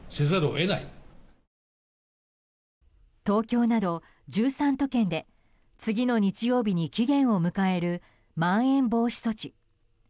東京など１３都県で次の日曜日に期限を迎えるまん延防止措置。